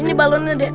ini balonnya dek